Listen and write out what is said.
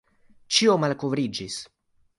Ĉio malkovriĝis!